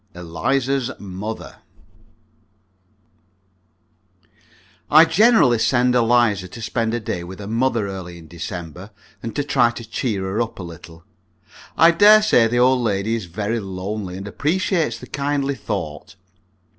ELIZA'S MOTHER I generally send Eliza to spend a day with her mother early in December, and try to cheer her up a little. I daresay the old lady is very lonely, and appreciates the kindly thought.